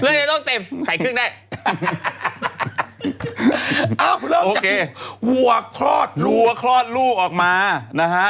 เรื่องยังต้องเต็มใส่ครึ่งได้เอ้าเริ่มจากหัวคลอดลูกหัวคลอดลูกออกมานะฮะ